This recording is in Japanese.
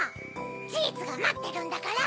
チーズがまってるんだから！